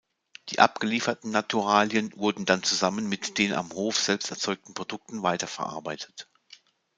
Die abgelieferten Naturalien wurden dann zusammen mit den am Hof selbst erzeugten Produkten weiterverarbeitet.